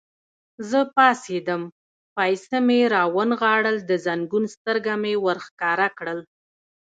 زه پاڅېدم، پایڅه مې را ونغاړل، د زنګون سترګه مې ور ښکاره کړل.